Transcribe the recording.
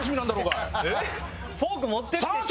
フォーク持ってきてって。